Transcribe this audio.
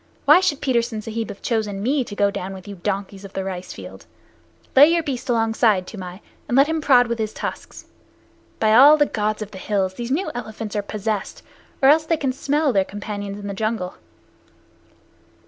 Why should Petersen Sahib have chosen me to go down with you donkeys of the rice fields? Lay your beast alongside, Toomai, and let him prod with his tusks. By all the Gods of the Hills, these new elephants are possessed, or else they can smell their companions in the jungle."